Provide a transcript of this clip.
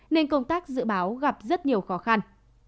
nên công tác dự báo gặp rất nhiều khó khăn